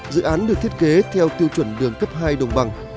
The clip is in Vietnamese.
dự án được thiết kế theo tiêu chuẩn đường cấp hai đồng bằng